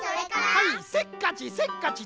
はいせっかちせっかち